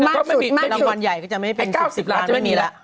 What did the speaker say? รางวัลใหญ่ก็จะไม่ได้เป็น๙๐ล้านจะไม่มีแล้ว